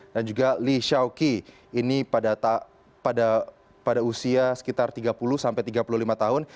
dan juga li shaoqi ini pada usia sekitar tiga puluh sampai tiga puluh lima tahun